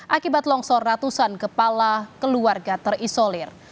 akibat longsor ratusan kepala keluarga terisolir